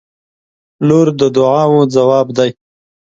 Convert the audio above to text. • لور د دعاوو ځواب دی.